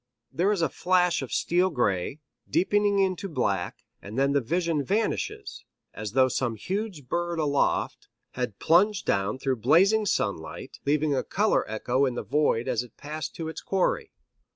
There is a flash of steel gray, deepening into black, and then the vision vanishes as though some huge bird aloft had plunged down through blazing sunlight, leaving a color echo in the void as it passed to its quarry.